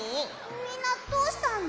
みんなどうしたの？